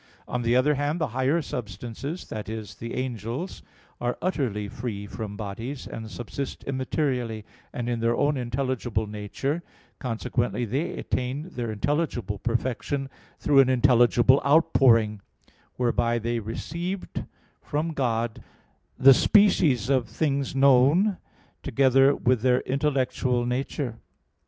On the other hand, the higher substances that is, the angels are utterly free from bodies, and subsist immaterially and in their own intelligible nature; consequently they attain their intelligible perfection through an intelligible outpouring, whereby they received from God the species of things known, together with their intellectual nature.